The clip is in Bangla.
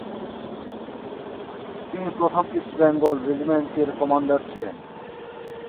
তিনি প্রথম ইস্ট বেঙ্গল রেজিমেন্টের কমান্ডার ছিলেন।